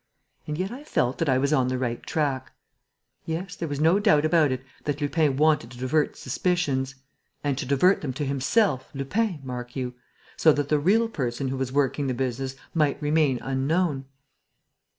And yet I felt that I was on the right track.... Yes, there was no doubt about it that Lupin wanted to divert suspicions ... to divert them to himself, Lupin, mark you ... so that the real person who was working the business might remain unknown...."